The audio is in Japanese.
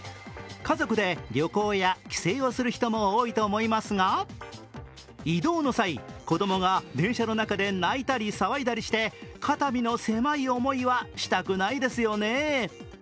家族で旅行や帰省をする人も多いと思いますが移動の際、子供が電車の中で泣いたり騒いだりして肩身の狭い思いはしたくないですよね。